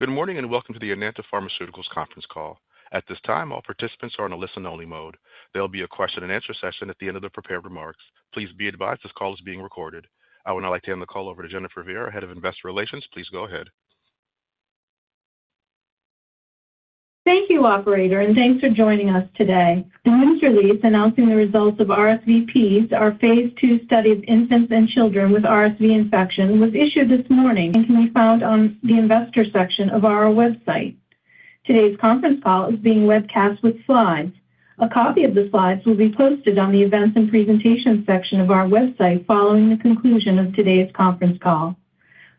Good morning and welcome to the Enanta Pharmaceuticals conference call. At this time, all participants are on a listen-only mode. There'll be a question-and-answer session at the end of the prepared remarks. Please be advised this call is being recorded. I would now like to hand the call over to Jennifer Viera, Head of Investor Relations. Please go ahead. Thank you, Operator, and thanks for joining us today. Announcing the results of RSVP, our phase II study of infants and children with RSV infection was issued this morning and can be found on the investor section of our website. Today's conference call is being webcast with slides. A copy of the slides will be posted on the events and presentations section of our website following the conclusion of today's conference call.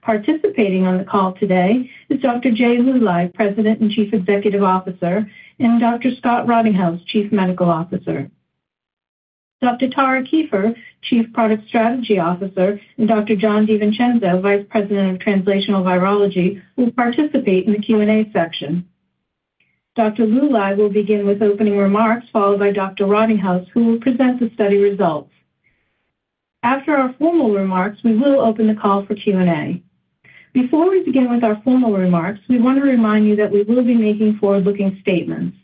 Participating on the call today is Dr. Jay Luly, President and Chief Executive Officer, and Dr. Scott Rottinghaus, Chief Medical Officer. Dr. Tara Kieffer, Chief Product Strategy Officer, and Dr. John DeVincenzo, Vice President of Translational Virology, will participate in the Q&A section. Dr. Luly will begin with opening remarks, followed by Dr. Rottinghaus, who will present the study results. After our formal remarks, we will open the call for Q&A. Before we begin with our formal remarks, we want to remind you that we will be making forward-looking statements.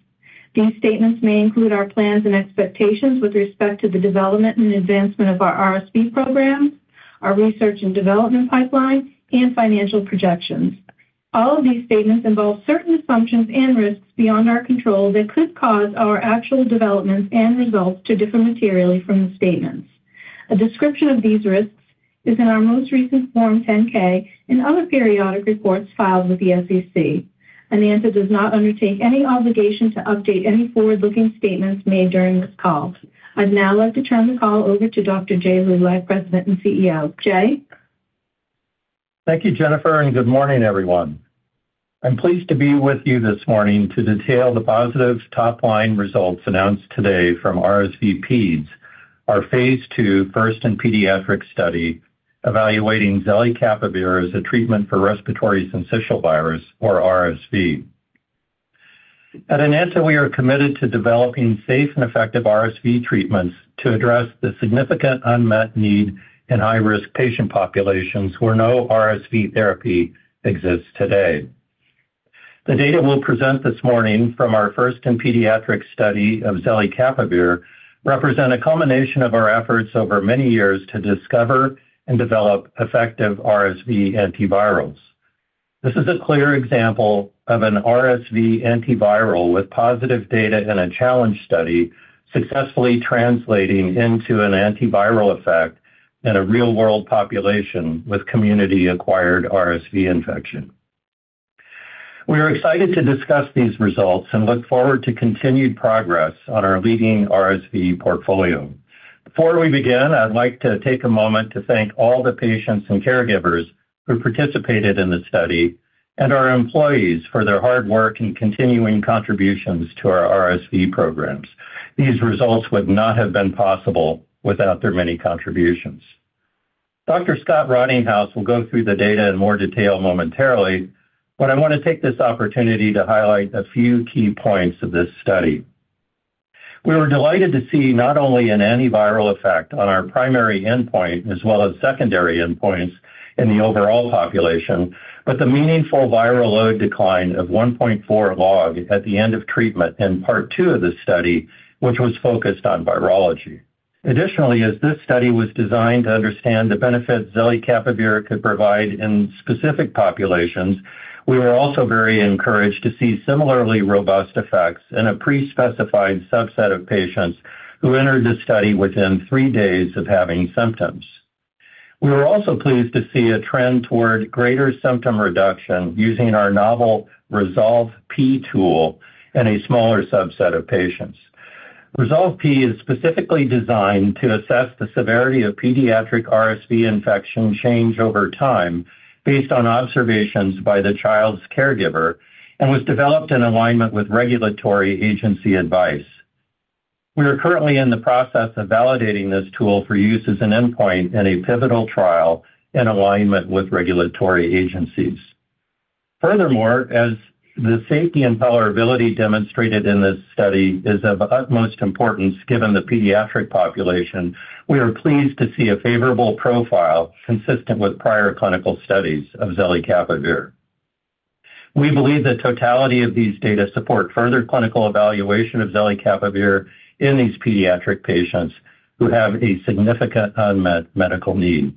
These statements may include our plans and expectations with respect to the development and advancement of our RSV program, our research and development pipeline, and financial projections. All of these statements involve certain assumptions and risks beyond our control that could cause our actual developments and results to differ materially from the statements. A description of these risks is in our most recent Form 10-K and other periodic reports filed with the SEC. Enanta does not undertake any obligation to update any forward-looking statements made during this call. I'd now like to turn the call over to Dr. Jay Luly, President and CEO. Jay? Thank you, Jennifer, and good morning, everyone. I'm pleased to be with you this morning to detail the positive top-line results announced today from RSVP's, our phase II first in pediatrics study evaluating Zelicapavir as a treatment for respiratory syncytial virus, or RSV. At Enanta, we are committed to developing safe and effective RSV treatments to address the significant unmet need in high-risk patient populations where no RSV therapy exists today. The data we'll present this morning from our first in pediatrics study of Zelicapavir represent a culmination of our efforts over many years to discover and develop effective RSV antivirals. This is a clear example of an RSV antiviral with positive data in a challenge study successfully translating into an antiviral effect in a real-world population with community-acquired RSV infection. We are excited to discuss these results and look forward to continued progress on our leading RSV portfolio. Before we begin, I'd like to take a moment to thank all the patients and caregivers who participated in the study and our employees for their hard work and continuing contributions to our RSV programs. These results would not have been possible without their many contributions. Dr. Scott Rottinghaus will go through the data in more detail momentarily, but I want to take this opportunity to highlight a few key points of this study. We were delighted to see not only an antiviral effect on our primary endpoint as well as secondary endpoints in the overall population, but the meaningful viral load decline of 1.4 log at the end of treatment in part two of the study, which was focused on virology. Additionally, as this study was designed to understand the benefits Zelicapavir could provide in specific populations, we were also very encouraged to see similarly robust effects in a pre-specified subset of patients who entered the study within three days of having symptoms. We were also pleased to see a trend toward greater symptom reduction using our novel Resolve P tool in a smaller subset of patients. Resolve P is specifically designed to assess the severity of pediatric RSV infection change over time based on observations by the child's caregiver and was developed in alignment with regulatory agency advice. We are currently in the process of validating this tool for use as an endpoint in a pivotal trial in alignment with regulatory agencies. Furthermore, as the safety and tolerability demonstrated in this study is of utmost importance given the pediatric population, we are pleased to see a favorable profile consistent with prior clinical studies of Zelicapavir. We believe the totality of these data support further clinical evaluation of Zelicapavir in these pediatric patients who have a significant unmet medical need.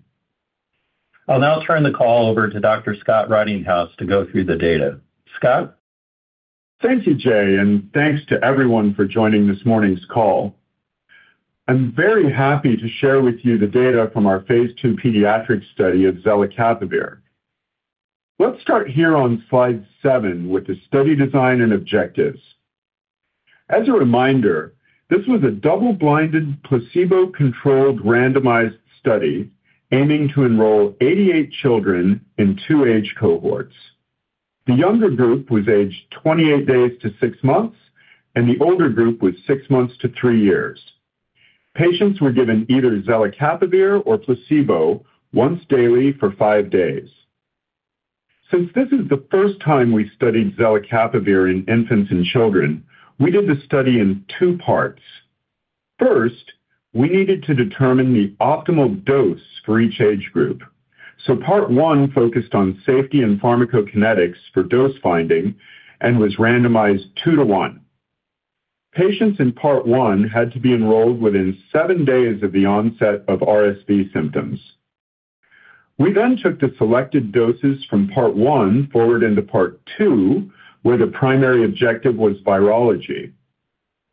I'll now turn the call over to Dr. Scott Rottinghaus to go through the data. Scott. Thank you, Jay, and thanks to everyone for joining this morning's call. I'm very happy to share with you the data from our phase II pediatric study of Zelicapavir. Let's start here on slide seven with the study design and objectives. As a reminder, this was a double-blinded, placebo-controlled, randomized study aiming to enroll 88 children in two age cohorts. The younger group was aged 28 days to six months, and the older group was six months to three years. Patients were given either Zelicapavir or placebo once daily for five days. Since this is the first time we studied Zelicapavir in infants and children, we did the study in two parts. First, we needed to determine the optimal dose for each age group. So part one focused on safety and pharmacokinetics for dose finding and was randomized two to one. Patients in part one had to be enrolled within seven days of the onset of RSV symptoms. We then took the selected doses from part one forward into part two, where the primary objective was virology.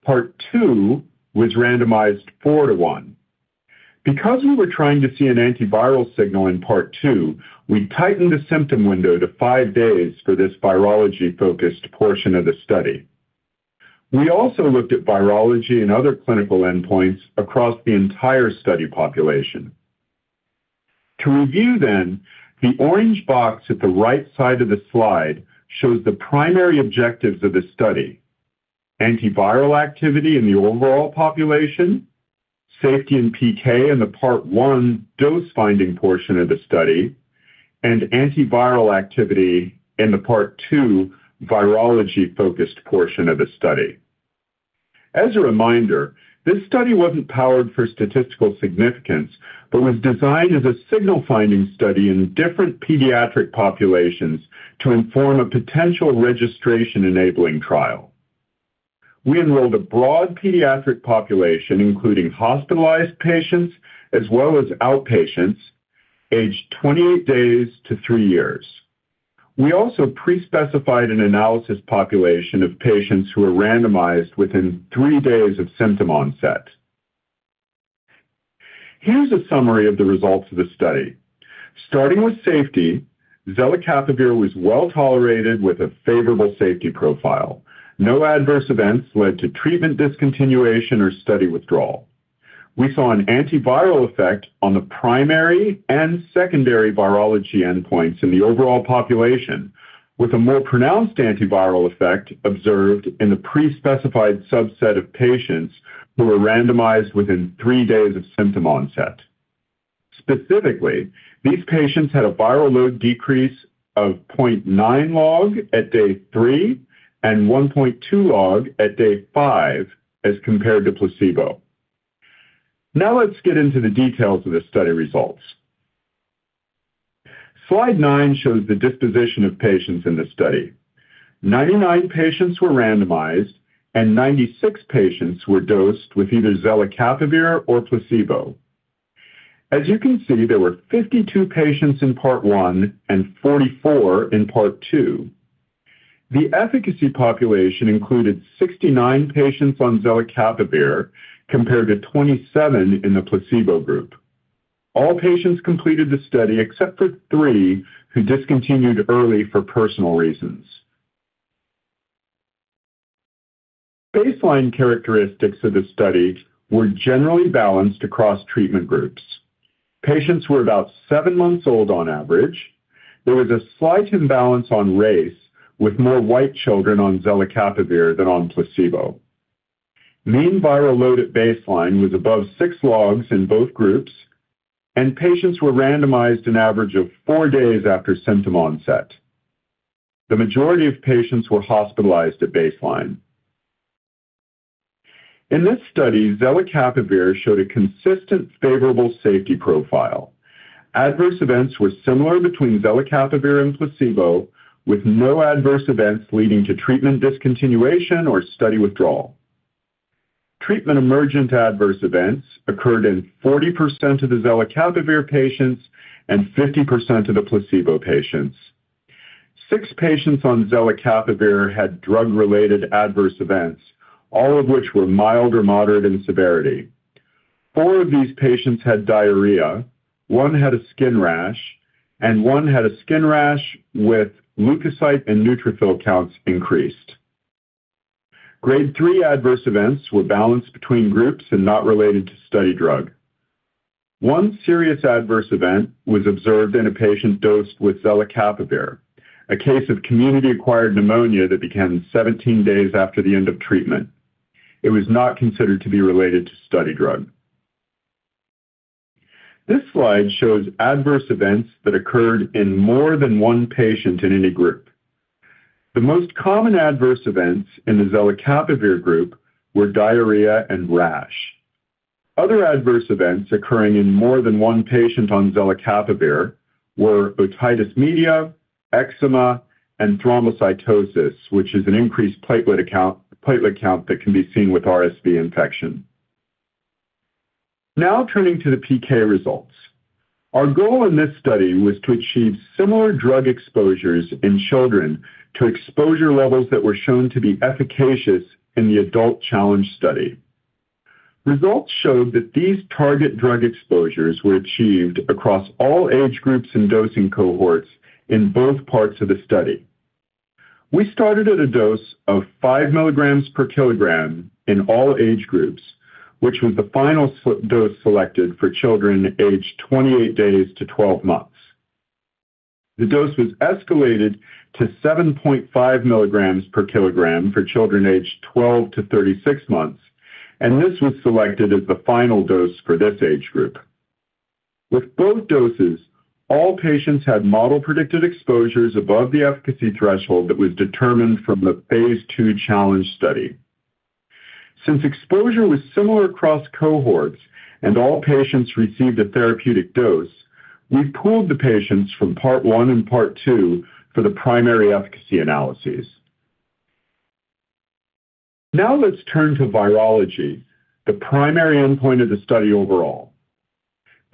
Part two was randomized four to one. Because we were trying to see an antiviral signal in part two, we tightened the symptom window to five days for this virology-focused portion of the study. We also looked at virology and other clinical endpoints across the entire study population. To review, then, the orange box at the right side of the slide shows the primary objectives of the study: antiviral activity in the overall population, safety and PK in the part one dose-finding portion of the study, and antiviral activity in the part two virology-focused portion of the study. As a reminder, this study wasn't powered for statistical significance but was designed as a signal-finding study in different pediatric populations to inform a potential registration-enabling trial. We enrolled a broad pediatric population, including hospitalized patients as well as outpatients, aged 28 days to three years. We also pre-specified an analysis population of patients who were randomized within three days of symptom onset. Here's a summary of the results of the study. Starting with safety, Zelicapavir was well tolerated with a favorable safety profile. No adverse events led to treatment discontinuation or study withdrawal. We saw an antiviral effect on the primary and secondary virology endpoints in the overall population, with a more pronounced antiviral effect observed in the pre-specified subset of patients who were randomized within three days of symptom onset. Specifically, these patients had a viral load decrease of 0.9 log at day three and 1.2 log at day five as compared to placebo. Now let's get into the details of the study results. Slide nine shows the disposition of patients in the study. 99 patients were randomized, and 96 patients were dosed with either Zelicapavir or placebo. As you can see, there were 52 patients in part one and 44 in part two. The efficacy population included 69 patients on Zelicapavir compared to 27 in the placebo group. All patients completed the study except for three who discontinued early for personal reasons. Baseline characteristics of the study were generally balanced across treatment groups. Patients were about seven months old on average. There was a slight imbalance on race, with more white children on Zelicapavir than on placebo. Mean viral load at baseline was above six logs in both groups, and patients were randomized an average of four days after symptom onset. The majority of patients were hospitalized at baseline. In this study, Zelicapavir showed a consistent favorable safety profile. Adverse events were similar between Zelicapavir and placebo, with no adverse events leading to treatment discontinuation or study withdrawal. Treatment-emergent adverse events occurred in 40% of the Zelicapavir patients and 50% of the placebo patients. Six patients on Zelicapavir had drug-related adverse events, all of which were mild or moderate in severity. Four of these patients had diarrhea, one had a skin rash, and one had a skin rash with leukocyte and neutrophil counts increased. Grade three adverse events were balanced between groups and not related to study drug. One serious adverse event was observed in a patient dosed with Zelicapavir, a case of community-acquired pneumonia that began 17 days after the end of treatment. It was not considered to be related to study drug. This slide shows adverse events that occurred in more than one patient in any group. The most common adverse events in the Zelicapavir group were diarrhea and rash. Other adverse events occurring in more than one patient on Zelicapavir were otitis media, eczema, and thrombocytosis, which is an increased platelet count that can be seen with RSV infection. Now turning to the PK results. Our goal in this study was to achieve similar drug exposures in children to exposure levels that were shown to be efficacious in the adult challenge study. Results showed that these target drug exposures were achieved across all age groups and dosing cohorts in both parts of the study. We started at a dose of 5 milligrams per kilogram in all age groups, which was the final dose selected for children aged 28 days to 12 months. The dose was escalated to 7.5 milligrams per kilogram for children aged 12 to 36 months, and this was selected as the final dose for this age group. With both doses, all patients had model-predicted exposures above the efficacy threshold that was determined from the phase II challenge study. Since exposure was similar across cohorts and all patients received a therapeutic dose, we pooled the patients from part one and part two for the primary efficacy analyses. Now let's turn to virology, the primary endpoint of the study overall.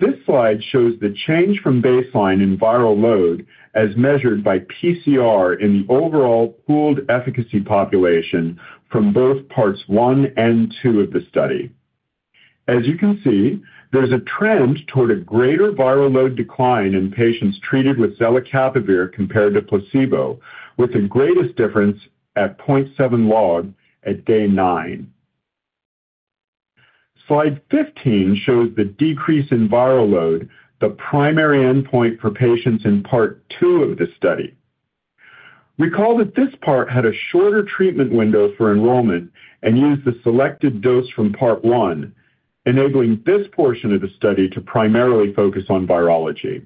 This slide shows the change from baseline in viral load as measured by PCR in the overall pooled efficacy population from both parts one and two of the study. As you can see, there's a trend toward a greater viral load decline in patients treated with Zelicapavir compared to placebo, with the greatest difference at 0.7 log at day nine. Slide 15 shows the decrease in viral load, the primary endpoint for patients in part two of the study. Recall that this part had a shorter treatment window for enrollment and used the selected dose from part one, enabling this portion of the study to primarily focus on virology.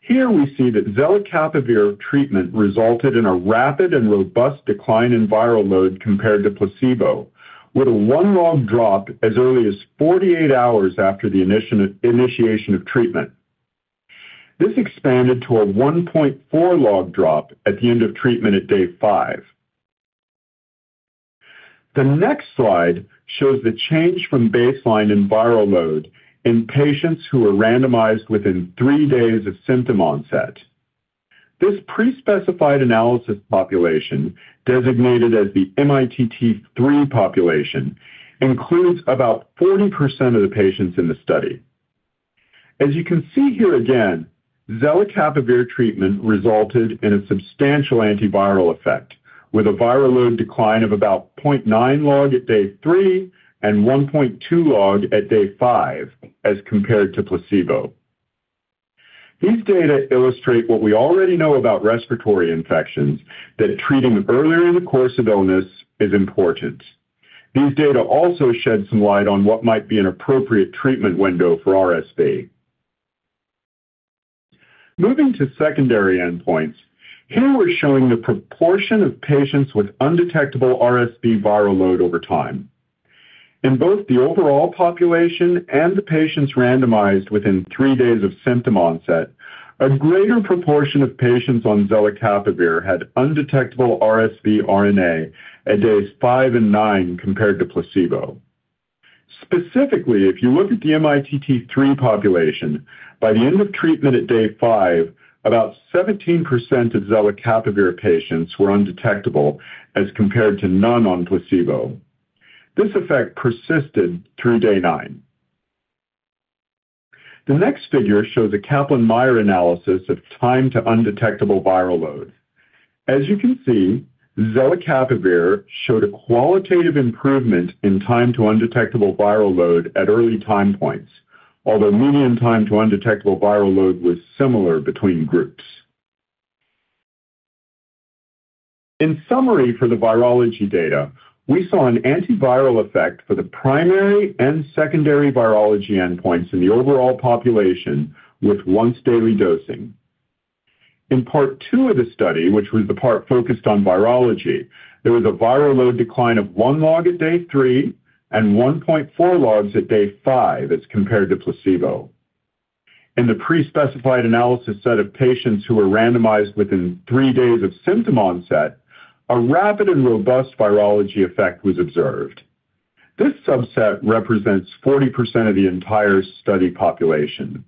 Here we see that Zelicapavir treatment resulted in a rapid and robust decline in viral load compared to placebo, with a one log drop as early as 48 hours after the initiation of treatment. This expanded to a 1.4 log drop at the end of treatment at day five. The next slide shows the change from baseline in viral load in patients who were randomized within three days of symptom onset. This pre-specified analysis population, designated as the MITT3 population, includes about 40% of the patients in the study. As you can see here again, Zelicapavir treatment resulted in a substantial antiviral effect, with a viral load decline of about 0.9 log at day three and 1.2 log at day five as compared to placebo. These data illustrate what we already know about respiratory infections, that treating earlier in the course of illness is important. These data also shed some light on what might be an appropriate treatment window for RSV. Moving to secondary endpoints, here we're showing the proportion of patients with undetectable RSV viral load over time. In both the overall population and the patients randomized within three days of symptom onset, a greater proportion of patients on Zelicapavir had undetectable RSV RNA at days five and nine compared to placebo. Specifically, if you look at the MITT3 population, by the end of treatment at day five, about 17% of Zelicapavir patients were undetectable as compared to none on placebo. This effect persisted through day nine. The next figure shows a Kaplan-Meier analysis of time to undetectable viral load. As you can see, Zelicapavir showed a qualitative improvement in time to undetectable viral load at early time points, although median time to undetectable viral load was similar between groups. In summary, for the virology data, we saw an antiviral effect for the primary and secondary virology endpoints in the overall population with once-daily dosing. In part two of the study, which was the part focused on virology, there was a viral load decline of one log at day three and 1.4 logs at day five as compared to placebo. In the pre-specified analysis set of patients who were randomized within three days of symptom onset, a rapid and robust virology effect was observed. This subset represents 40% of the entire study population.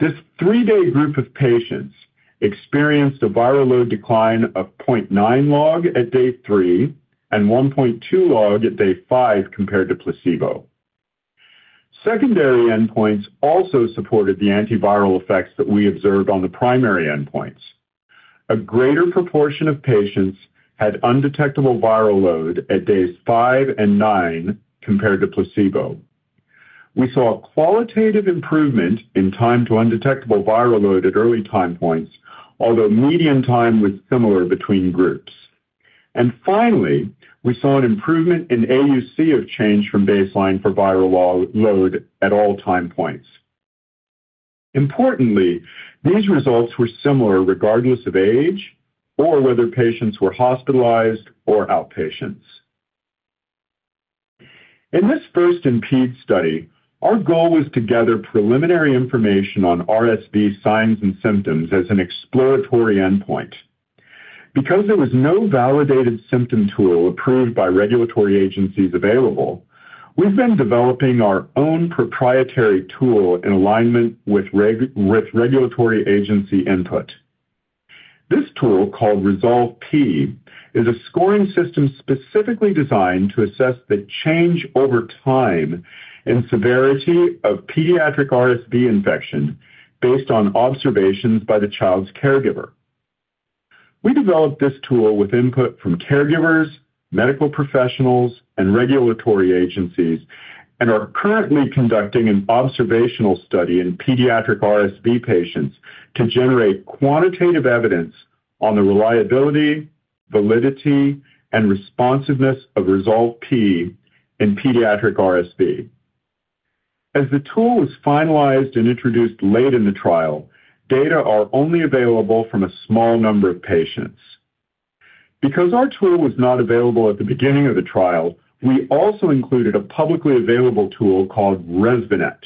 This three-day group of patients experienced a viral load decline of 0.9 log at day three and 1.2 log at day five compared to placebo. Secondary endpoints also supported the antiviral effects that we observed on the primary endpoints. A greater proportion of patients had undetectable viral load at days five and nine compared to placebo. We saw a qualitative improvement in time to undetectable viral load at early time points, although median time was similar between groups. Finally, we saw an improvement in AUC of change from baseline for viral load at all time points. Importantly, these results were similar regardless of age or whether patients were hospitalized or outpatients. In this first in ped study, our goal was to gather preliminary information on RSV signs and symptoms as an exploratory endpoint. Because there was no validated symptom tool approved by regulatory agencies available, we've been developing our own proprietary tool in alignment with regulatory agency input. This tool, called ResolveP, is a scoring system specifically designed to assess the change over time in severity of pediatric RSV infection based on observations by the child's caregiver. We developed this tool with input from caregivers, medical professionals, and regulatory agencies, and are currently conducting an observational study in pediatric RSV patients to generate quantitative evidence on the reliability, validity, and responsiveness of ResolveP in pediatric RSV. As the tool was finalized and introduced late in the trial, data are only available from a small number of patients. Because our tool was not available at the beginning of the trial, we also included a publicly available tool called ReSViNET.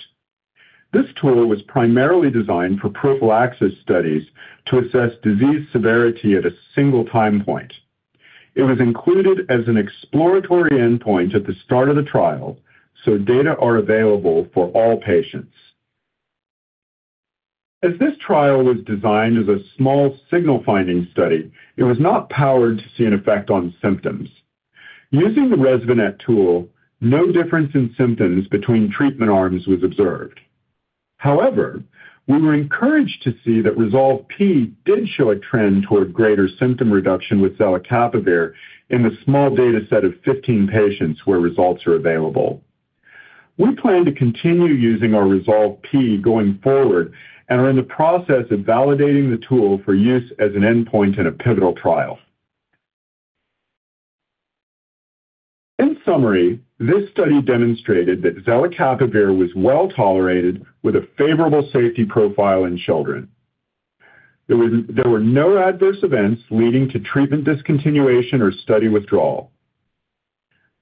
This tool was primarily designed for prophylaxis studies to assess disease severity at a single time point. It was included as an exploratory endpoint at the start of the trial, so data are available for all patients. As this trial was designed as a small signal-finding study, it was not powered to see an effect on symptoms. Using the ReSViNET tool, no difference in symptoms between treatment arms was observed. However, we were encouraged to see that ResolveP did show a trend toward greater symptom reduction with Zelicapavir in the small data set of 15 patients where results are available. We plan to continue using our ResolveP going forward and are in the process of validating the tool for use as an endpoint in a pivotal trial. In summary, this study demonstrated that Zelicapavir was well tolerated with a favorable safety profile in children. There were no adverse events leading to treatment discontinuation or study withdrawal.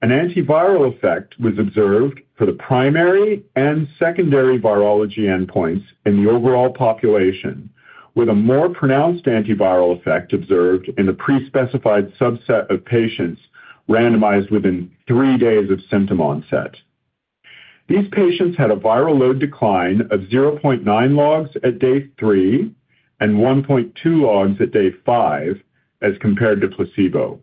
An antiviral effect was observed for the primary and secondary virology endpoints in the overall population, with a more pronounced antiviral effect observed in the pre-specified subset of patients randomized within three days of symptom onset. These patients had a viral load decline of 0.9 logs at day three and 1.2 logs at day five as compared to placebo.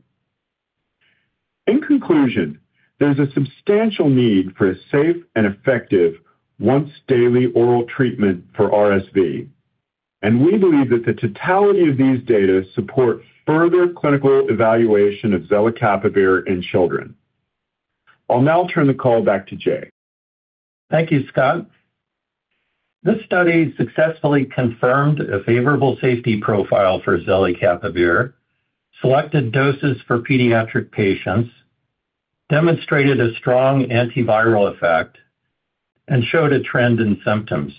In conclusion, there's a substantial need for a safe and effective once-daily oral treatment for RSV, and we believe that the totality of these data support further clinical evaluation of Zelicapavir in children. I'll now turn the call back to Jay. Thank you, Scott. This study successfully confirmed a favorable safety profile for Zelicapavir, selected doses for pediatric patients, demonstrated a strong antiviral effect, and showed a trend in symptoms.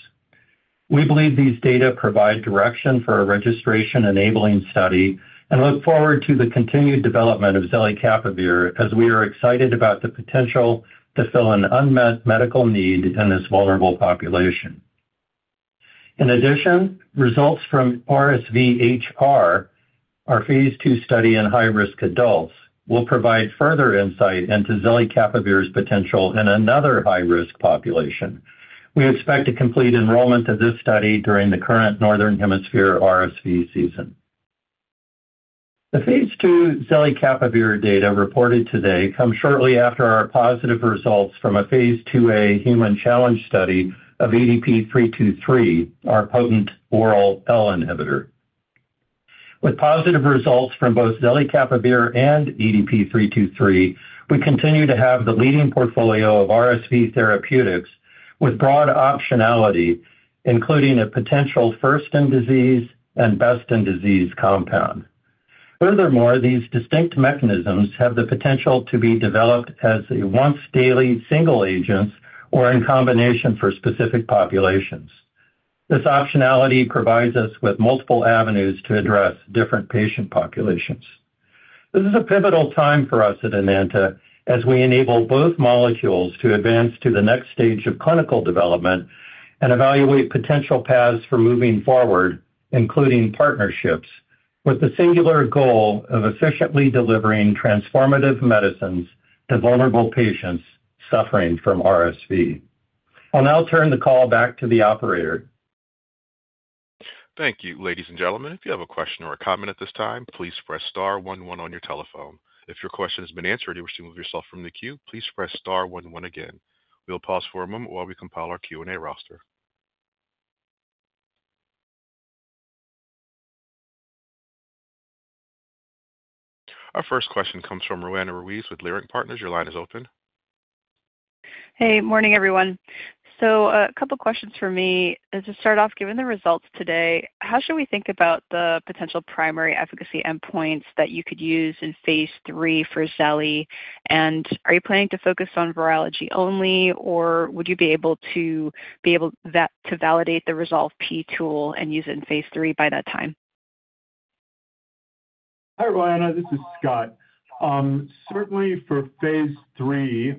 We believe these data provide direction for a registration-enabling study and look forward to the continued development of Zelicapavir as we are excited about the potential to fill an unmet medical need in this vulnerable population. In addition, results from RSV-HR, our phase II study in high-risk adults, will provide further insight into Zelicapavir's potential in another high-risk population. We expect to complete enrollment of this study during the current northern hemisphere RSV season. The phase II Zelicapavir data reported today come shortly after our positive results from a phase IIa human challenge study of EDP-323, our potent oral L inhibitor. With positive results from both Zelicapavir and EDP-323, we continue to have the leading portfolio of RSV therapeutics with broad optionality, including a potential first-in-disease and best-in-disease compound. Furthermore, these distinct mechanisms have the potential to be developed as once-daily single agents or in combination for specific populations. This optionality provides us with multiple avenues to address different patient populations. This is a pivotal time for us at Enanta as we enable both molecules to advance to the next stage of clinical development and evaluate potential paths for moving forward, including partnerships, with the singular goal of efficiently delivering transformative medicines to vulnerable patients suffering from RSV. I'll now turn the call back to the operator. Thank you, ladies and gentlemen. If you have a question or a comment at this time, please press star 11 on your telephone. If your question has been answered and you wish to move yourself from the queue, please press star 11 again. We'll pause for a moment while we compile our Q&A roster. Our first question comes from Roanna Ruiz with Leerink Partners. Your line is open. Hey, morning, everyone. So a couple of questions for me. As a start-off, given the results today, how should we think about the potential primary efficacy endpoints that you could use in phase III for Zelicapavir? And are you planning to focus on virology only, or would you be able to validate the ResolveP tool and use it in phase III by that time? Hi, Roanna. This is Scott. Certainly, for phase III,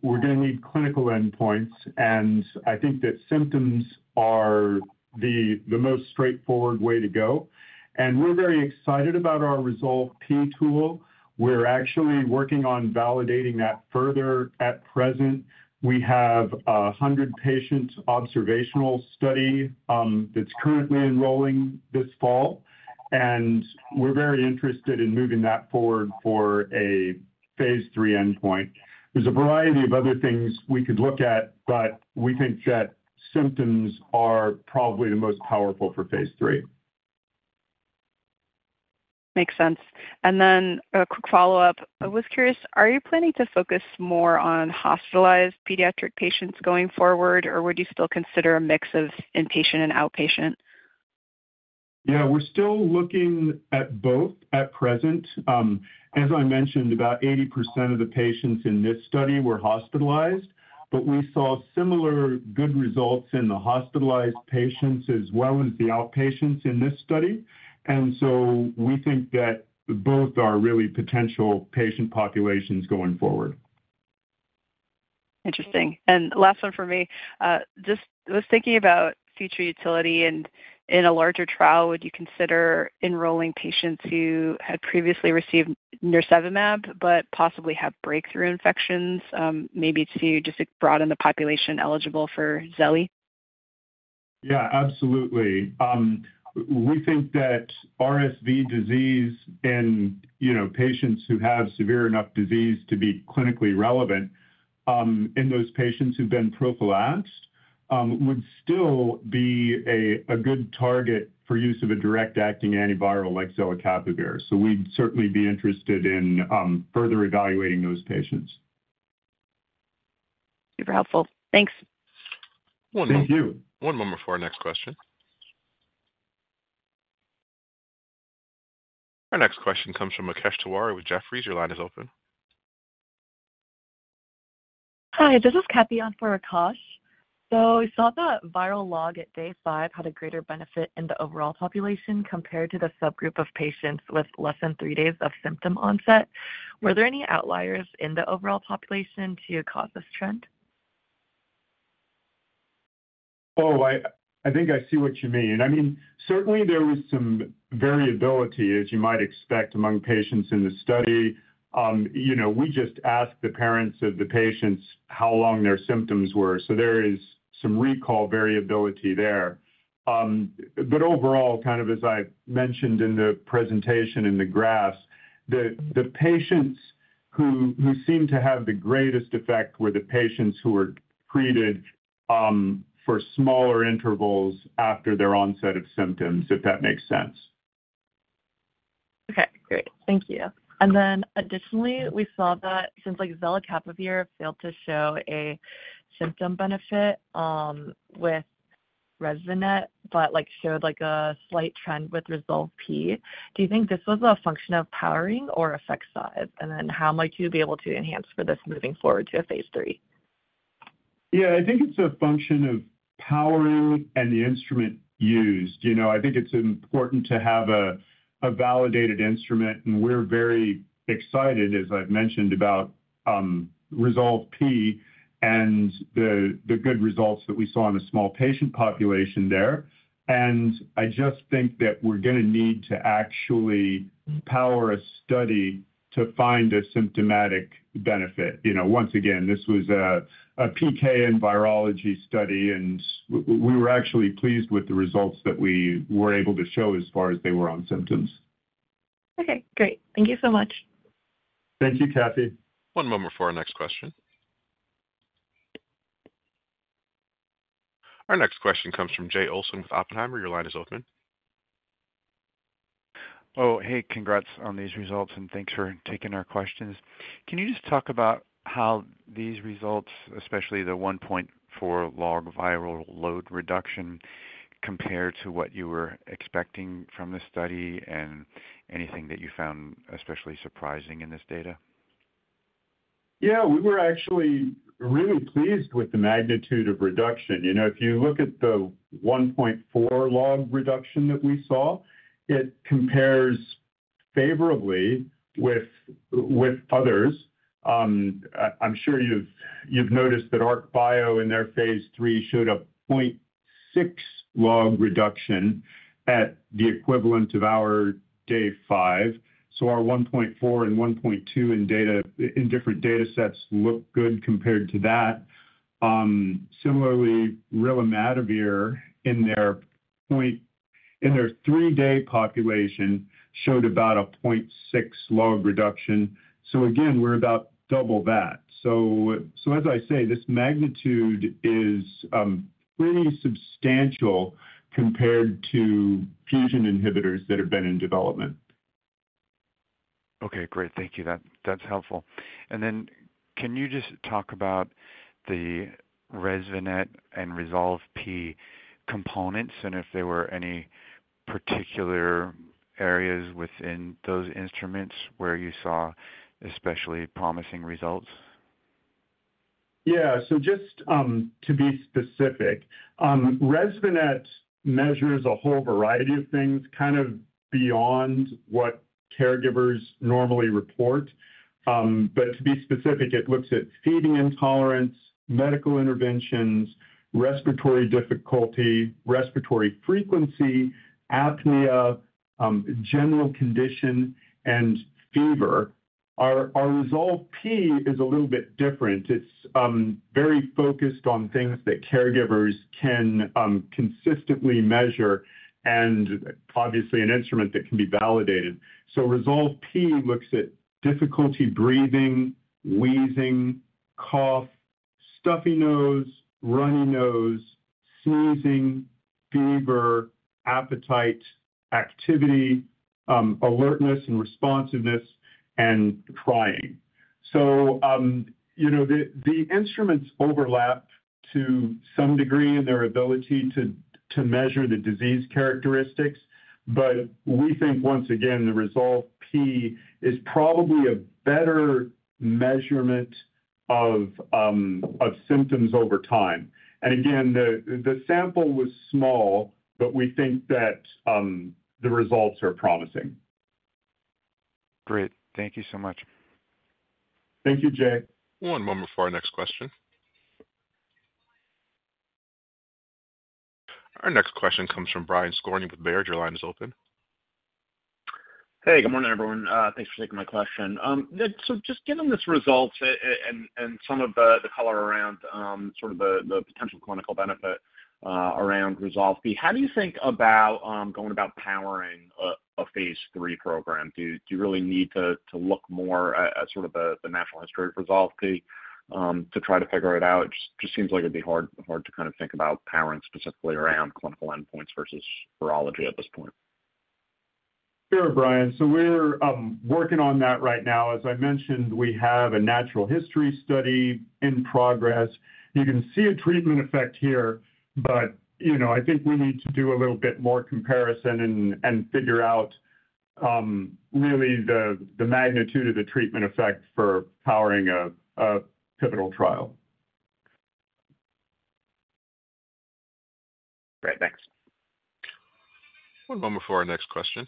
we're going to need clinical endpoints, and I think that symptoms are the most straightforward way to go. And we're very excited about our ResolveP tool. We're actually working on validating that further. At present, we have a 100-patient observational study that's currently enrolling this fall, and we're very interested in moving that forward for a phase III endpoint. There's a variety of other things we could look at, but we think that symptoms are probably the most powerful for phase III. Makes sense. And then a quick follow-up. I was curious, are you planning to focus more on hospitalized pediatric patients going forward, or would you still consider a mix of inpatient and outpatient? Yeah, we're still looking at both at present. As I mentioned, about 80% of the patients in this study were hospitalized, but we saw similar good results in the hospitalized patients as well as the outpatients in this study. And so we think that both are really potential patient populations going forward. Interesting. And last one for me. Just was thinking about future utility and in a larger trial, would you consider enrolling patients who had previously received nirsevimab but possibly have breakthrough infections, maybe to just broaden the population eligible for Zelicapavir? Yeah, absolutely. We think that RSV disease in patients who have severe enough disease to be clinically relevant in those patients who've been prophylaxed would still be a good target for use of a direct-acting antiviral like Zelicapavir. So we'd certainly be interested in further evaluating those patients. Super helpful. Thanks. One moment for our next question. Our next question comes from Akash Tewari with Jefferies. Your line is open. Hi, this is Kathy on for Akash. So we saw that viral log at day five had a greater benefit in the overall population compared to the subgroup of patients with less than three days of symptom onset. Were there any outliers in the overall population to cause this trend? Oh, I think I see what you mean. I mean, certainly, there was some variability, as you might expect, among patients in the study. We just asked the parents of the patients how long their symptoms were, so there is some recall variability there. But overall, kind of as I mentioned in the presentation in the graphs, the patients who seem to have the greatest effect were the patients who were treated for smaller intervals after their onset of symptoms, if that makes sense. Okay, great. Thank you. And then additionally, we saw that since Zelicapavir failed to show a symptom benefit with ReSViNET but showed a slight trend with ResolveP. Do you think this was a function of powering or effect size? And then how might you be able to enhance for this moving forward to a phase III? Yeah, I think it's a function of powering and the instrument used. I think it's important to have a validated instrument, and we're very excited, as I've mentioned, about ResolveP and the good results that we saw in the small patient population there. And I just think that we're going to need to actually power a study to find a symptomatic benefit. Once again, this was a PK and virology study, and we were actually pleased with the results that we were able to show as far as there were on symptoms. Okay, great. Thank you so much. Thank you, Kathy. One moment for our next question. Our next question comes from Jay Olson with Oppenheimer. Your line is open. Oh, hey, congrats on these results, and thanks for taking our questions. Can you just talk about how these results, especially the 1.4 log viral load reduction, compare to what you were expecting from the study and anything that you found especially surprising in this data? Yeah, we were actually really pleased with the magnitude of reduction. If you look at the 1.4 log reduction that we saw, it compares favorably with others. I'm sure you've noticed that ArcBio in their phase III showed a 0.6 log reduction at the equivalent of our day five. So our 1.4 and 1.2 in different data sets look good compared to that. Similarly, Rilumatavir in their three-day population showed about a 0.6 log reduction. So again, we're about double that. So as I say, this magnitude is pretty substantial compared to fusion inhibitors that have been in development. Okay, great. Thank you. That's helpful. Then can you just talk about the ReSViNET and ResolveP components and if there were any particular areas within those instruments where you saw especially promising results? Yeah, so just to be specific, ReSViNET measures a whole variety of things kind of beyond what caregivers normally report. But to be specific, it looks at feeding intolerance, medical interventions, respiratory difficulty, respiratory frequency, apnea, general condition, and fever. Our ResolveP is a little bit different. It's very focused on things that caregivers can consistently measure and obviously an instrument that can be validated. So ResolveP looks at difficulty breathing, wheezing, cough, stuffy nose, runny nose, sneezing, fever, appetite, activity, alertness and responsiveness, and crying. So the instruments overlap to some degree in their ability to measure the disease characteristics, but we think, once again, the ResolveP is probably a better measurement of symptoms over time. And again, the sample was small, but we think that the results are promising. Great. Thank you so much. Thank you, Jay. One moment for our next question. Our next question comes from Brian Skorney with Baird. Your line is open. Hey, good morning, everyone. Thanks for taking my question. So just given this result and some of the color around sort of the potential clinical benefit around ResolveP, how do you think about going about powering a phase III program? Do you really need to look more at sort of the natural history of ResolveP to try to figure it out? It just seems like it'd be hard to kind of think about powering specifically around clinical endpoints versus virology at this point. Sure, Brian. So we're working on that right now. As I mentioned, we have a natural history study in progress. You can see a treatment effect here, but I think we need to do a little bit more comparison and figure out really the magnitude of the treatment effect for powering a pivotal trial. Great. Thanks. One moment for our next question.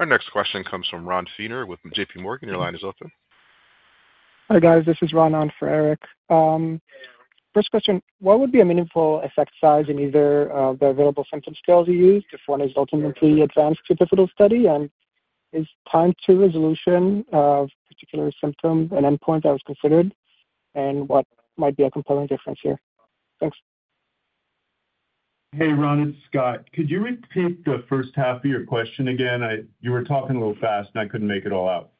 Our next question comes from Ronan with J.P. Morgan. Your line is open. Hi guys, this is Ronan for Eric. First question, what would be a meaningful effect size in either of the available symptom scales you used if one is ultimately advanced to a pivotal study? And is time to resolution of particular symptoms an endpoint that was considered? And what might be a compelling difference here? Thanks. Hey, Ron, it's Scott. Could you repeat the first half of your question again? You were talking a little fast, and I couldn't make it all out.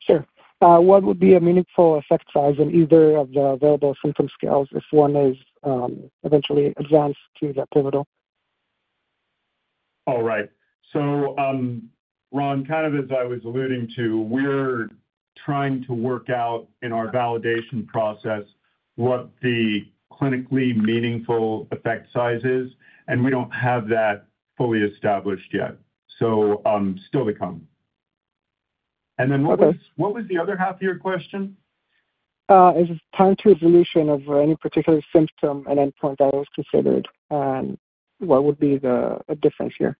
Sure. What would be a meaningful effect size in either of the available symptom scales if one is eventually advanced to that pivotal? All right. So Ron, kind of as I was alluding to, we're trying to work out in our validation process what the clinically meaningful effect size is, and we don't have that fully established yet. So still to come. And then what was the other half of your question? Is it time to resolution of any particular symptom and endpoint that was considered? And what would be the difference here?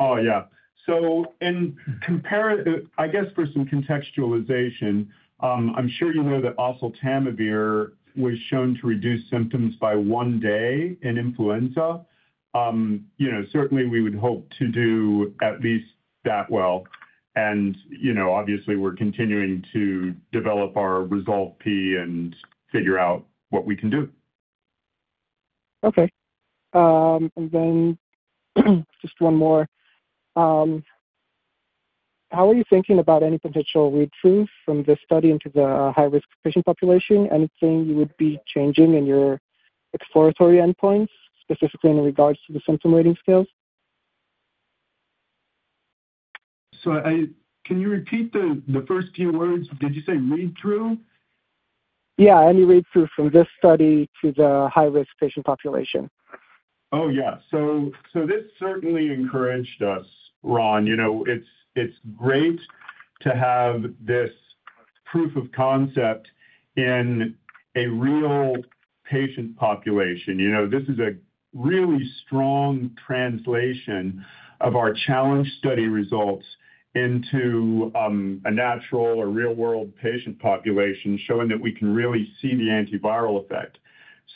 Oh, yeah. So I guess for some contextualization, I'm sure you know that Oseltamivir was shown to reduce symptoms by one day in influenza. Certainly, we would hope to do at least that well. And obviously, we're continuing to develop our ResolveP and figure out what we can do. Okay. And then just one more. How are you thinking about any potential read-through from this study into the high-risk patient population? Anything you would be changing in your exploratory endpoints, specifically in regards to the symptom rating scales? So can you repeat the first few words? Did you say read-through? Yeah, any read-through from this study to the high-risk patient population. Oh, yeah, so this certainly encouraged us, Ronan. It's great to have this proof of concept in a real patient population. This is a really strong translation of our challenge study results into a natural or real-world patient population showing that we can really see the antiviral effect,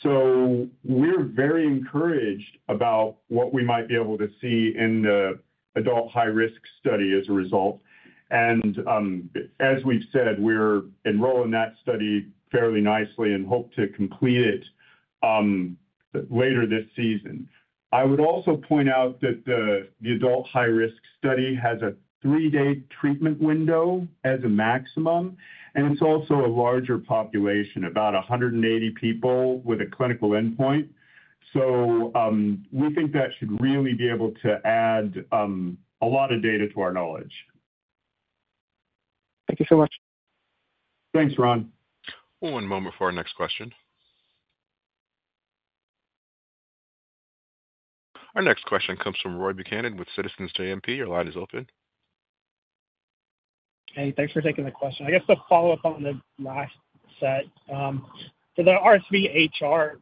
so we're very encouraged about what we might be able to see in the adult high-risk study as a result, and as we've said, we're enrolling that study fairly nicely and hope to complete it later this season. I would also point out that the adult high-risk study has a three-day treatment window as a maximum, and it's also a larger population, about 180 people with a clinical endpoint. So we think that should really be able to add a lot of data to our knowledge. Thank you so much. Thanks, Ron. One moment for our next question. Our next question comes from Roy Buchanan with Citizens JMP. Your line is open. Hey, thanks for taking the question. I guess to follow up on the last set, for the RSV HR,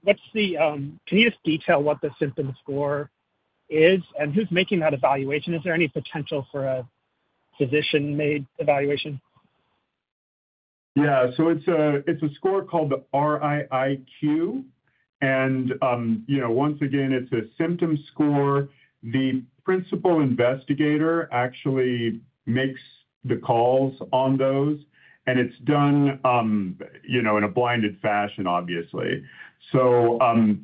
can you just detail what the symptom score is and who's making that evaluation? Is there any potential for a physician-made evaluation? Yeah, so it's a score called the RIIQ. And once again, it's a symptom score. The principal investigator actually makes the calls on those, and it's done in a blinded fashion, obviously. RIIQ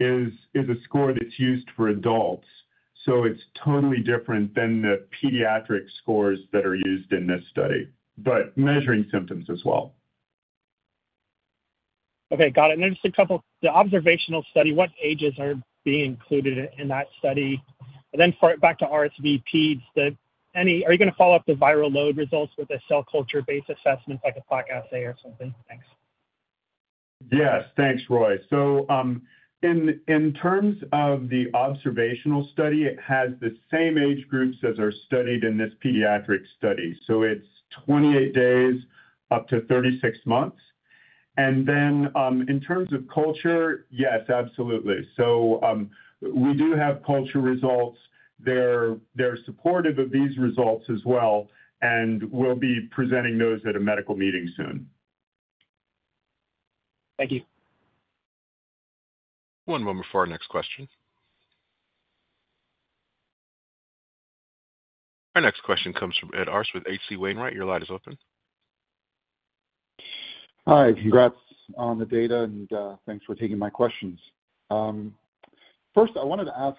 is a score that's used for adults. It's totally different than the pediatric scores that are used in this study, but measuring symptoms as well. Okay, got it. And then just a couple of the observational study, what ages are being included in that study? And then back to RSVPs, are you going to follow up the viral load results with a cell culture-based assessment like a POC assay or something? Thanks. Yes, thanks, Roy. In terms of the observational study, it has the same age groups as are studied in this pediatric study. It's 28 days up to 36 months. And then in terms of culture, yes, absolutely. We do have culture results. They're supportive of these results as well, and we'll be presenting those at a medical meeting soon. Thank you. One moment for our next question. Our next question comes from Ed Arce with H.C. Wainwright & Co. Your line is open. Hi, congrats on the data, and thanks for taking my questions. First, I wanted to ask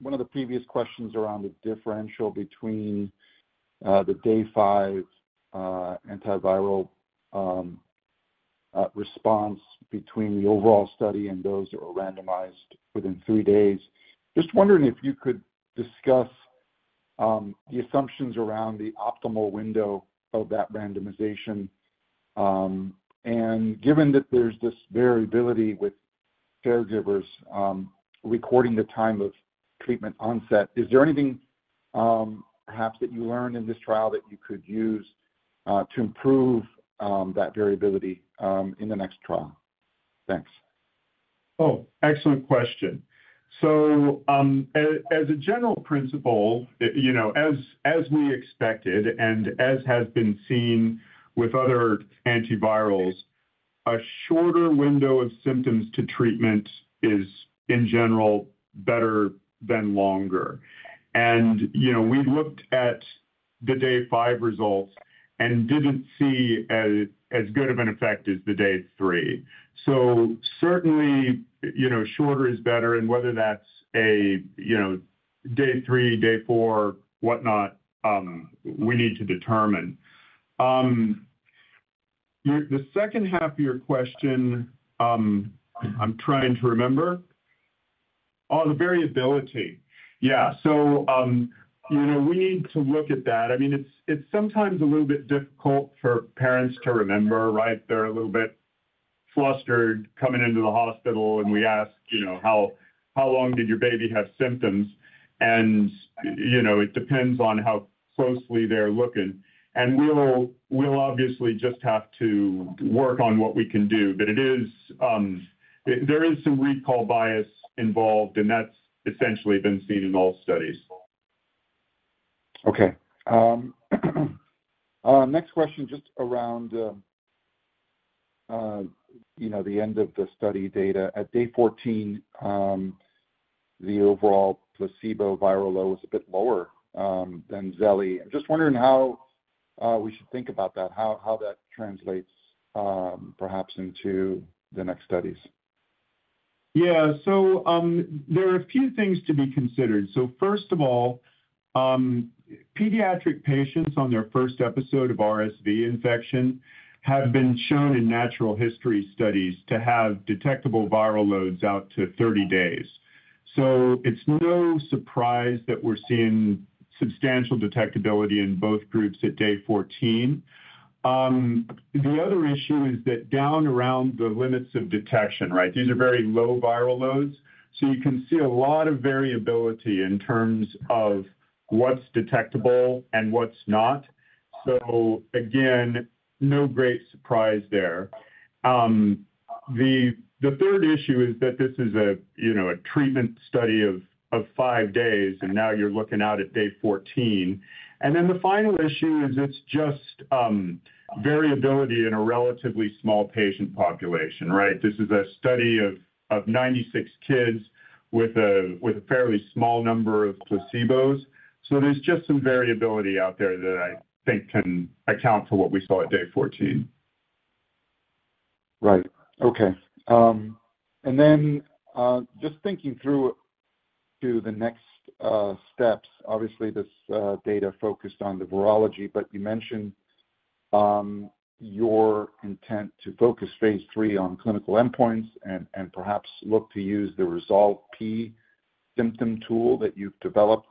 one of the previous questions around the differential between the day five antiviral response between the overall study and those that were randomized within three days. Just wondering if you could discuss the assumptions around the optimal window of that randomization. And given that there's this variability with caregivers recording the time of treatment onset, is there anything perhaps that you learned in this trial that you could use to improve that variability in the next trial? Thanks. Oh, excellent question. So as a general principle, as we expected and as has been seen with other antivirals, a shorter window of symptoms to treatment is, in general, better than longer. And we looked at the day five results and didn't see as good of an effect as the day three. So certainly, shorter is better, and whether that's day three, day four, whatnot, we need to determine. The second half of your question, I'm trying to remember. Oh, the variability. Yeah. So we need to look at that. I mean, it's sometimes a little bit difficult for parents to remember, right? They're a little bit flustered coming into the hospital, and we ask, "How long did your baby have symptoms?" And it depends on how closely they're looking. And we'll obviously just have to work on what we can do, but there is some recall bias involved, and that's essentially been seen in all studies. Okay. Next question, just around the end of the study data. At day 14, the overall placebo viral load was a bit lower than Zelicapavir. I'm just wondering how we should think about that, how that translates perhaps into the next studies. Yeah. So there are a few things to be considered. So first of all, pediatric patients on their first episode of RSV infection have been shown in natural history studies to have detectable viral loads out to 30 days. So it's no surprise that we're seeing substantial detectability in both groups at day 14. The other issue is that down around the limits of detection, right? These are very low viral loads. So you can see a lot of variability in terms of what's detectable and what's not. So again, no great surprise there. The third issue is that this is a treatment study of five days, and now you're looking out at day 14. And then the final issue is it's just variability in a relatively small patient population, right? This is a study of 96 kids with a fairly small number of placebos. So there's just some variability out there that I think can account for what we saw at day 14. Right. Okay. And then just thinking through to the next steps, obviously this data focused on the virology, but you mentioned your intent to focus phase III on clinical endpoints and perhaps look to use the ResolveP symptom tool that you've developed.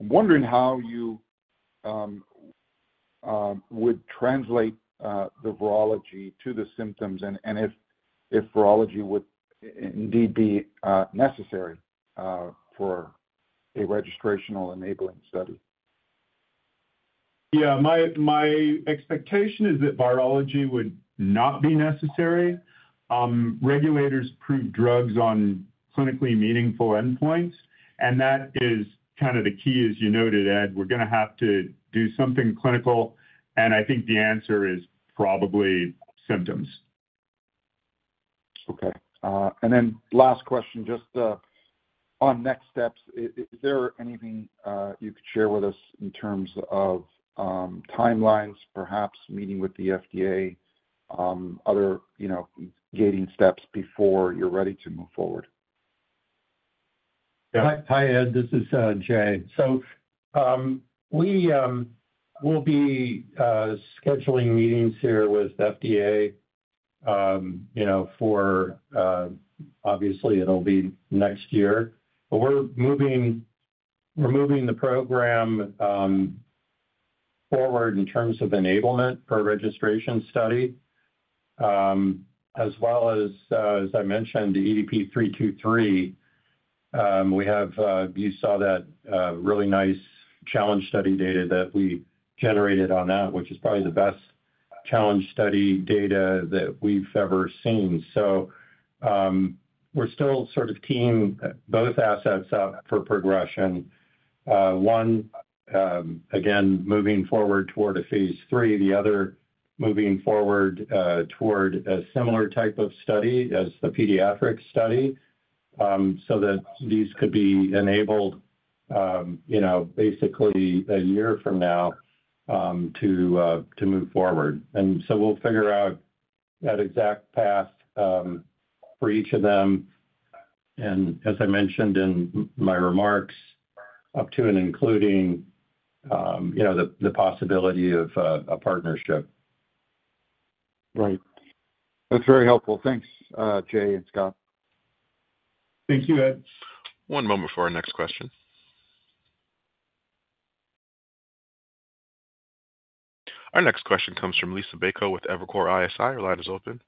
I'm wondering how you would translate the virology to the symptoms and if virology would indeed be necessary for a registrational enabling study. Yeah. My expectation is that virology would not be necessary. Regulators approve drugs on clinically meaningful endpoints, and that is kind of the key, as you noted, Ed. We're going to have to do something clinical, and I think the answer is probably symptoms. Okay. Then last question, just on next steps, is there anything you could share with us in terms of timelines, perhaps meeting with the FDA, other gating steps before you're ready to move forward? Hi, Ed. This is Jay. We will be scheduling meetings here with FDA for obviously, it'll be next year. But we're moving the program forward in terms of enablement for registration study, as well as, as I mentioned, EDP-323. We have. You saw that really nice challenge study data that we generated on that, which is probably the best challenge study data that we've ever seen. We're still sort of gearing both assets up for progression. One, again, moving forward toward a phase 3. The other, moving forward toward a similar type of study as the pediatric study so that these could be enabled basically a year from now to move forward. And so we'll figure out that exact path for each of them. And as I mentioned in my remarks, up to and including the possibility of a partnership. Right. That's very helpful. Thanks, Jay and Scott. Thank you, Ed. One moment for our next question. Our next question comes from Liisa Bayko with Evercore ISI. Your line is open.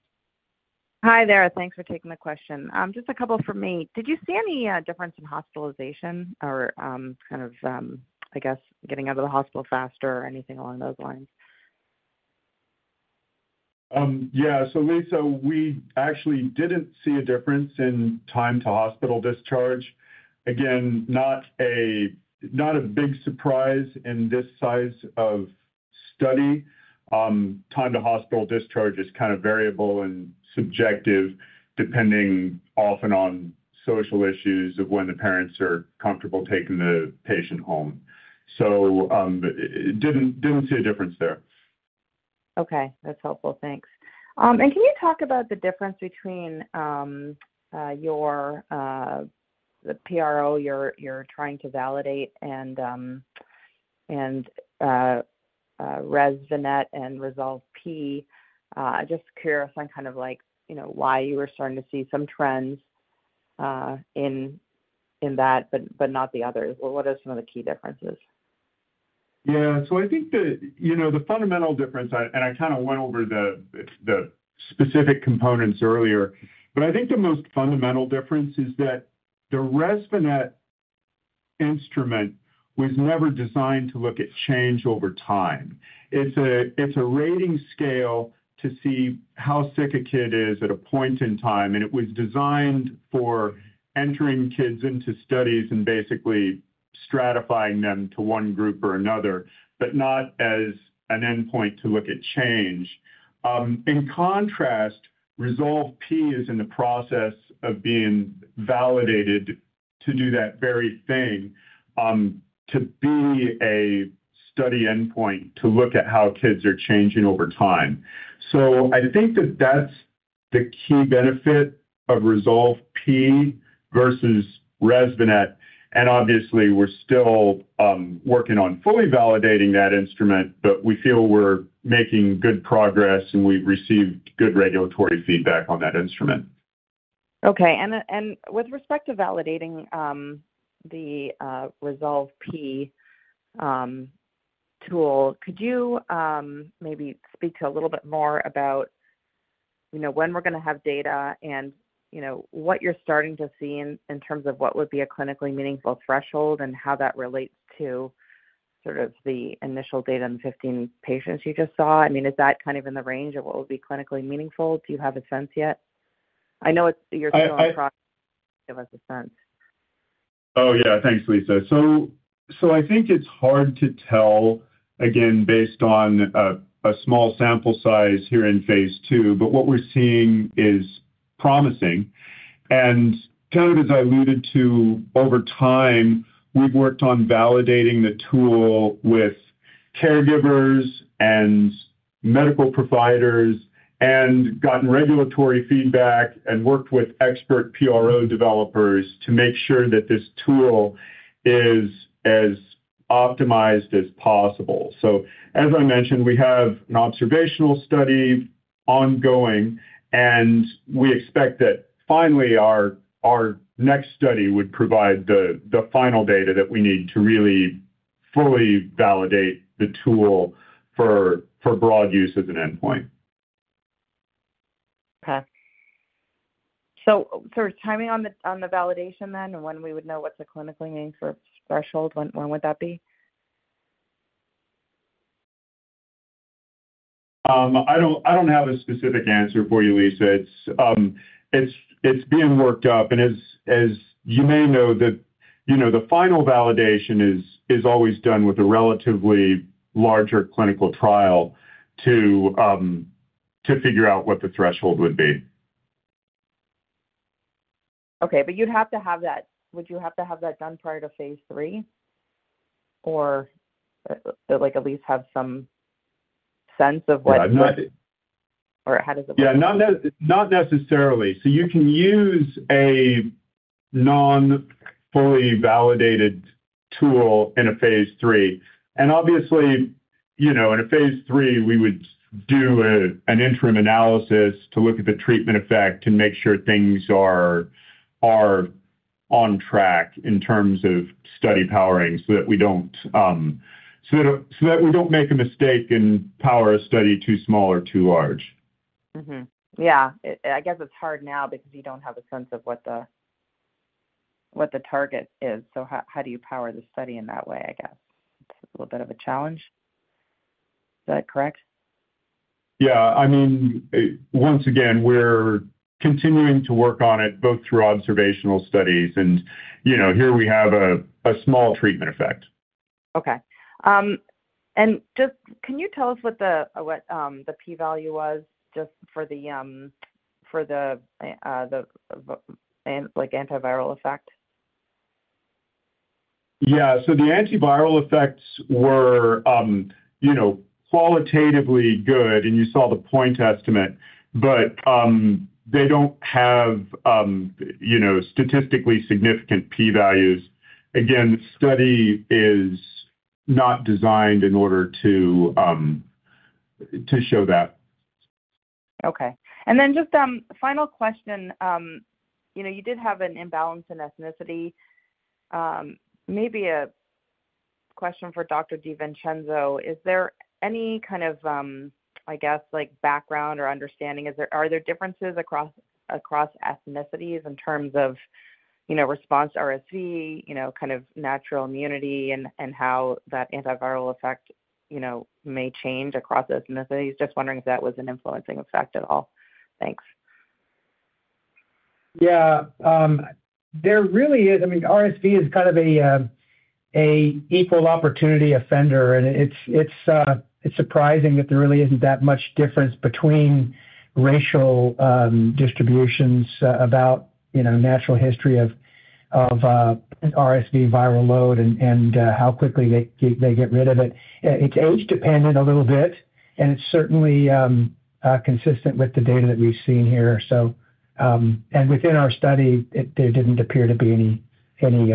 Hi there. Thanks for taking the question. Just a couple for me. Did you see any difference in hospitalization or kind of, I guess, getting out of the hospital faster or anything along those lines? Yeah. So Liisa, we actually didn't see a difference in time to hospital discharge. Again, not a big surprise in this size of study. Time to hospital discharge is kind of variable and subjective depending often on social issues of when the parents are comfortable taking the patient home. So didn't see a difference there. Okay. That's helpful. Thanks. And can you talk about the difference between the PRO you're trying to validate and ReSViNET and ResolveP? Just curious on kind of why you were starting to see some trends in that, but not the others. What are some of the key differences? Yeah. So I think the fundamental difference, and I kind of went over the specific components earlier, but I think the most fundamental difference is that the ReSViNET instrument was never designed to look at change over time. It's a rating scale to see how sick a kid is at a point in time, and it was designed for entering kids into studies and basically stratifying them to one group or another, but not as an endpoint to look at change. In contrast, ResolveP is in the process of being validated to do that very thing, to be a study endpoint to look at how kids are changing over time. So I think that that's the key benefit of ResolveP versus ReSViNET. And obviously, we're still working on fully validating that instrument, but we feel we're making good progress, and we've received good regulatory feedback on that instrument. Okay. And with respect to validating the ResolveP tool, could you maybe speak to a little bit more about when we're going to have data and what you're starting to see in terms of what would be a clinically meaningful threshold and how that relates to sort of the initial data in the 15 patients you just saw? I mean, is that kind of in the range of what would be clinically meaningful? Do you have a sense yet? I know you're still in the process. Give us a sense. Oh, yeah. Thanks, Lisa. So I think it's hard to tell, again, based on a small sample size here in phase two, but what we're seeing is promising. And kind of as I alluded to, over time, we've worked on validating the tool with caregivers and medical providers and gotten regulatory feedback and worked with expert PRO developers to make sure that this tool is as optimized as possible. So as I mentioned, we have an observational study ongoing, and we expect that finally our next study would provide the final data that we need to really fully validate the tool for broad use as an endpoint. Okay. So sort of timing on the validation then, when we would know what the clinically meaningful threshold, when would that be? I don't have a specific answer for you, Lisa. It's being worked up. And as you may know, the final validation is always done with a relatively larger clinical trial to figure out what the threshold would be. Okay. But you'd have to have that, would you have to have that done prior to phase three or at least have some sense of what? Or how does it work? Yeah. Not necessarily. So you can use a non-fully validated tool in a phase three. And obviously, in a phase three, we would do an interim analysis to look at the treatment effect and make sure things are on track in terms of study powering so that we don't, so that we don't make a mistake and power a study too small or too large. Yeah. I guess it's hard now because you don't have a sense of what the target is. So how do you power the study in that way, I guess? It's a little bit of a challenge. Is that correct? Yeah. I mean, once again, we're continuing to work on it both through observational studies. And here we have a small treatment effect. Okay. And can you tell us what the P value was just for the antiviral effect? Yeah. So the antiviral effects were qualitatively good, and you saw the point estimate, but they don't have statistically significant P values. Again, the study is not designed in order to show that. Okay. And then just final question. You did have an imbalance in ethnicity. Maybe a question for Dr. DeVincenzo. Is there any kind of, I guess, background or understanding? Are there differences across ethnicities in terms of response to RSV, kind of natural immunity, and how that antiviral effect may change across ethnicities? Just wondering if that was an influencing effect at all. Thanks. Yeah. There really is. I mean, RSV is kind of an equal opportunity offender, and it's surprising that there really isn't that much difference between racial distributions about natural history of RSV viral load and how quickly they get rid of it. It's age-dependent a little bit, and it's certainly consistent with the data that we've seen here, and within our study, there didn't appear to be any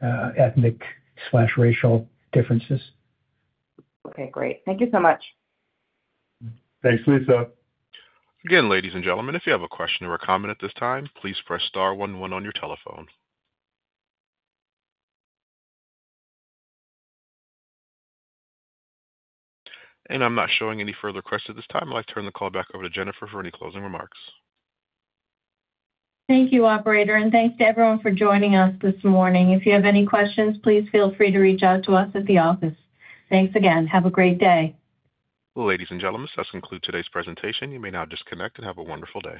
ethnic/racial differences. Okay. Great. Thank you so much. Thanks, Lisa. Again, ladies and gentlemen, if you have a question or a comment at this time, please press star 11 on your telephone, and I'm not showing any further questions at this time. I'd like to turn the call back over to Jennifer for any closing remarks. Thank you, Operator, and thanks to everyone for joining us this morning. If you have any questions, please feel free to reach out to us at the office. Thanks again. Have a great day. Well, ladies and gentlemen, so that's concluded today's presentation. You may now disconnect and have a wonderful day.